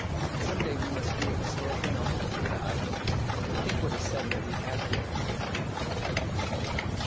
Some day we must do an historical novel, you and I. Think what a setting we have here